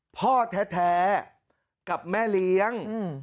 พ่อแท้กับแม่เลี้ยง